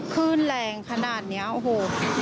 ขึ้นแรงขนาดนี้โอ้โห